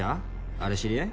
あれ知り合い？